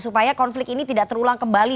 supaya konflik ini tidak terulang kembali